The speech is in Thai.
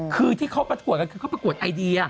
คือที่เขาประกวดก็คือเขาประกวดไอเดีย